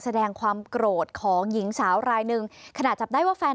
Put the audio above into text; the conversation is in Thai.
แสดงความโกรธของหญิงสาวรายหนึ่งขณะจับได้ว่าแฟน